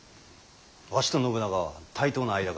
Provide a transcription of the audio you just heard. わしと信長は対等な間柄じゃ。